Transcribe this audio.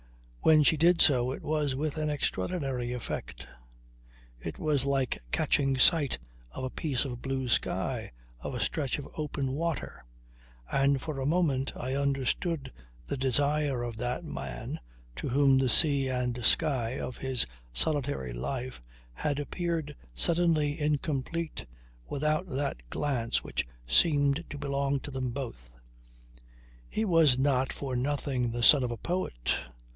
When she did so it was with an extraordinary effect. It was like catching sight of a piece of blue sky, of a stretch of open water. And for a moment I understood the desire of that man to whom the sea and sky of his solitary life had appeared suddenly incomplete without that glance which seemed to belong to them both. He was not for nothing the son of a poet.